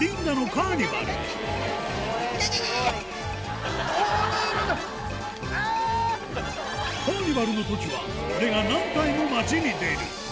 カーニバルのときは、これが何体も町に出る。